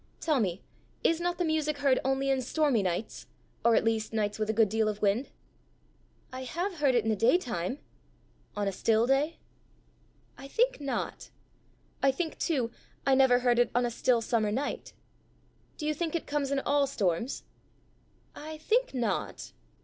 Tell me, is not the music heard only in stormy nights, or at least nights with a good deal of wind?" "I have heard it in the daytime!" "On a still day?" "I think not. I think too I never heard it on a still summer night." "Do you think it comes in all storms?" "I think not."